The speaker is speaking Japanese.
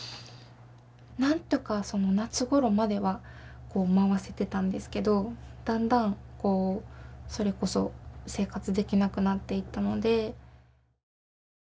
なんとかその夏ごろまでは回せてたんですけどだんだんそれこそ生活できなくなっていったので。